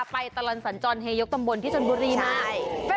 ไปตลอดสัญจรเฮยกตำบลที่ชนบุรีมา